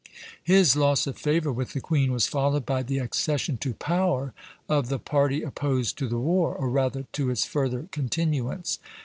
His loss of favor with the queen was followed by the accession to power of the party opposed to the war, or rather to its further continuance.